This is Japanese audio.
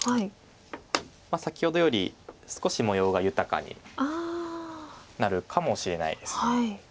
先ほどより少し模様が豊かになるかもしれないです。